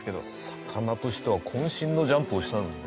魚としては渾身のジャンプをしたのにね。